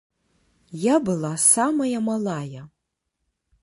Я была самая малая.